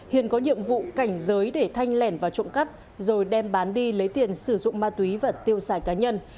hiền có nhiệm vụ cảnh giới để thanh lẻn vào trộm cắp rồi đem bán đi lấy tiền sử dụng ma túy và tiêu xài cá nhân